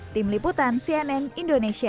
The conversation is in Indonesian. tim liputan cnn indonesia